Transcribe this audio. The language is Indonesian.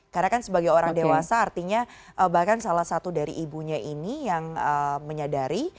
karena kan sebagai orang dewasa artinya bahkan salah satu dari ibunya ini yang menyadari